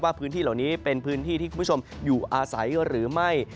พื้นที่เหล่านี้เป็นพื้นที่ที่คุณผู้ชมอยู่อาศัยหรือไม่